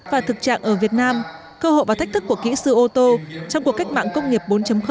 và thực trạng ở việt nam cơ hội và thách thức của kỹ sư ô tô trong cuộc cách mạng công nghiệp bốn